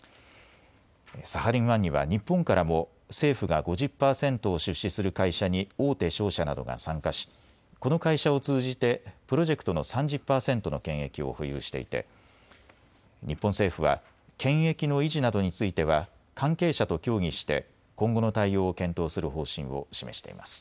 サハリン１には日本からも政府が５０％を出資する会社に大手商社などが参加しこの会社を通じてプロジェクトの３０％の権益を保有していて日本政府は権益の維持などについては関係者と協議して今後の対応を検討する方針を示しています。